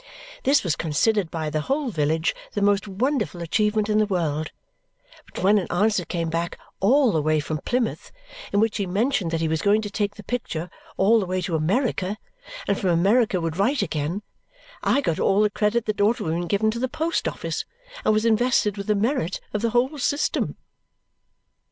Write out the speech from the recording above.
This was considered by the whole village the most wonderful achievement in the world, but when an answer came back all the way from Plymouth, in which he mentioned that he was going to take the picture all the way to America, and from America would write again, I got all the credit that ought to have been given to the post office and was invested with the merit of the whole system.